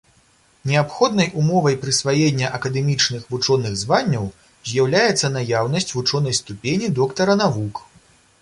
Неабходнай умовай прысваення акадэмічных вучоных званняў з'яўляецца наяўнасць вучонай ступені доктара навук.